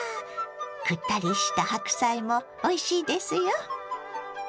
くったりした白菜もおいしいですよ。